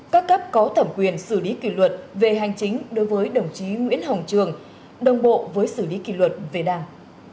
các cấp có thẩm quyền xử lý kỷ luật về hành chính đối với đồng chí nguyễn hồng trường đồng bộ với xử lý kỷ luật về đảng